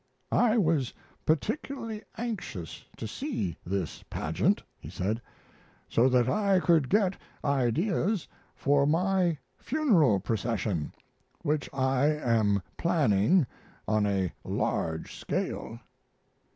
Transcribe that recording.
"I was particularly anxious to see this pageant," he said, "so that I could get ideas for my funeral procession, which I am planning on a large scale."